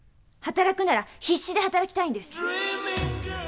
働くなら必死で働きたいんです！